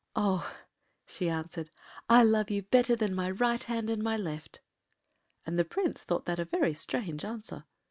” “Oh,” she answered, “I love you better than my right hand and my left.” And the Prince thought that a very strange answer.